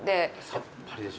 さっぱりでしょ。